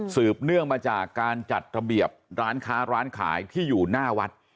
เนื่องมาจากการจัดระเบียบร้านค้าร้านขายที่อยู่หน้าวัด